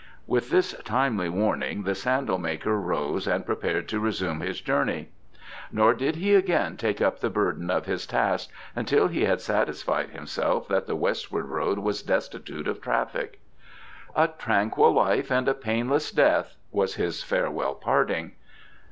With this timely warning the sandal maker rose and prepared to resume his journey. Nor did he again take up the burden of his task until he had satisfied himself that the westward road was destitute of traffic. "A tranquil life and a painless death," was his farewell parting.